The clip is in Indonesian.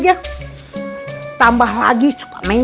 apa gerak papikan